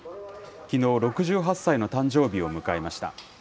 きのう、６８歳の誕生日を迎えました。